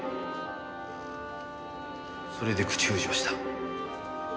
それで口封じをした。